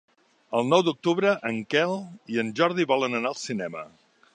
El nou d'octubre en Quel i en Jordi volen anar al cinema.